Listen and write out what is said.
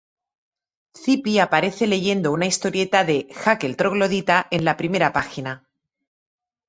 Zipi aparece leyendo una historieta de "Hug, el troglodita" en la primera página.